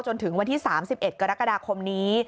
จนถึงวันที่๓๑กรกฎาคมนี้